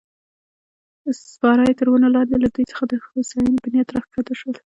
سپاره یې تر ونو لاندې له دوی څخه د هوساینې په نیت راکښته شول.